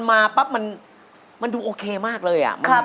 ยิ่งรักเธอต่อยิ่งเสียใจ